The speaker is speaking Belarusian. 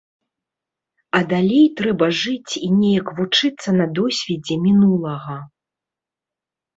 А далей трэба жыць і неяк вучыцца на досведзе мінулага.